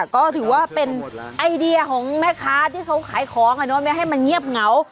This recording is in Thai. ก็ถือว่าเป็นไอเดียของแม่ค้าที่เขาขายของไม่ให้มันเงียบเหงา